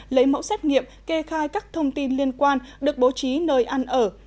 lấy mẫu xét nghiệm kê khai các thông tin liên quan được bố trí nơi ăn ở